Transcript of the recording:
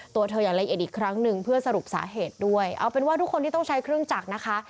ตัวเธออย่างละเอียดอีกครั้งหนึ่งเพื่อสรุปสาเหตุด้วยเอาเป็นว่าทุกคนที่ต้องใช้เครื่องจักรนะคะ